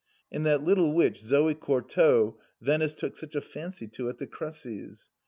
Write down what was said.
And that little witch Zog Courtauld Venice took such a fancy to at the Cressys.